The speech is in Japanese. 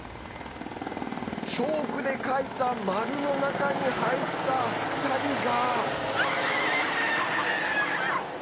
チョークで描いた円の中に入った２人が。